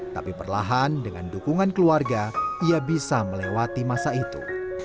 tapi perlahan dengan dukungan keluarga ia bisa melewati masa itu